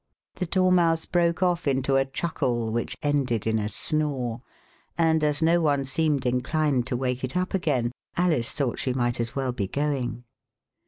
The Dormouse broke off into a chuckle which ended in a snore, and as no one seemed inclined to wake it up again Alice thought she might as well be going.